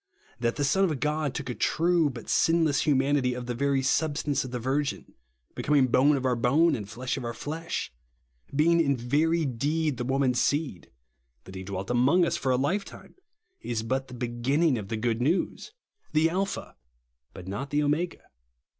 That the Son of God took a true but sin less humanity of the very substance of the virgin ; becoming bone of our bone, and flesh of our flesh ; being in very deed the woman's seed ; that he dwelt among us for a lifetime, is but the beginning of the good news; the Alpha, but not the Omega.